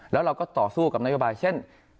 แล้วเราก็ต่อสู้กับนโยบายเช่น